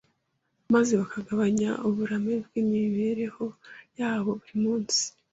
maze bakagabanya uburame bw’imibereho yabo buri munsi.